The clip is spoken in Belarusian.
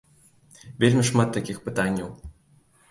Вельмі шмат такіх пытанняў.